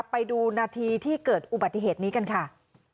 ไปดูนาทีที่เกิดอุบัติเหตุนี้กันค่ะ